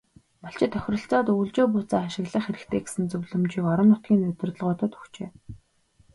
Малчид тохиролцоод өвөлжөө бууцаа ашиглах хэрэгтэй гэсэн зөвлөмжийг орон нутгийн удирдлагуудад өгчээ.